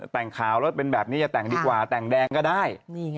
แต่งขาวแล้วเป็นแบบนี้จะแต่งดีกว่าแต่งแดงก็ได้